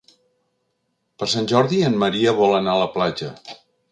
Per Sant Jordi en Maria vol anar a la platja.